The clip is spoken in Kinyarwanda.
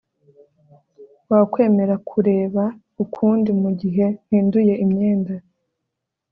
wakwemera kureba ukundi mugihe mpinduye imyenda